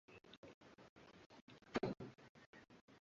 na kisha akamwokoa Nuhu na familia yake kwa kuwatoa Kwenye kifungo